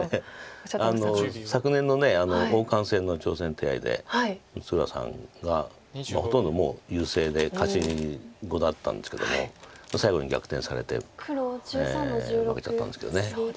昨年の王冠戦の挑戦手合で六浦さんがほとんど優勢で勝ち碁だったんですけども最後に逆転されて負けちゃったんですけど。